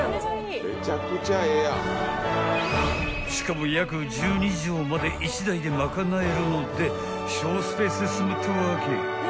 ［しかも約１２畳まで１台で賄えるので省スペースで済むってわけ］